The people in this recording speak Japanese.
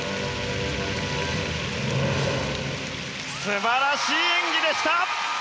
素晴らしい演技でした！